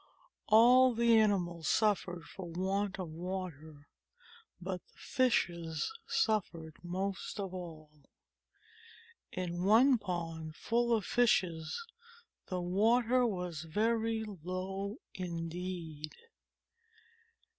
All the Animals suffered for want of water, but the Fishes suffered most of all. In one pond full of Fishes, the water was very low indeed.